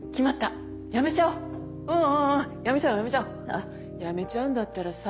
あっやめちゃうんだったらさ